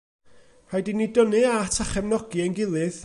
Rhaid i ni dynnu at a chefnogi ein gilydd.